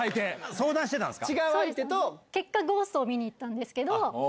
相談してたんすか？